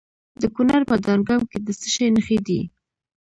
د کونړ په دانګام کې د څه شي نښې دي؟